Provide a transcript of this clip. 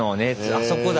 あそこだ。